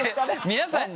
皆さんに？